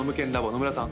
野村さん